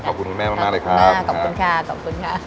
ขอบคุณคุณแม่มากเลยครับ